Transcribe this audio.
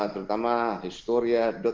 terutama historia dan sejarah